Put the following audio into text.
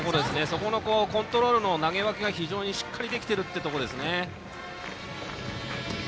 そこのコントロールの投げ分けが非常にしっかりできているということですね。